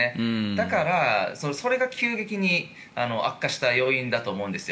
だから、それが急激に悪化した要因だと思うんです。